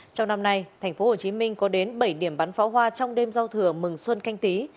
trong năm nay tp hcm có đến bảy điểm bắn pháo hoa trong đêm giao thừa mừng xuân canh tí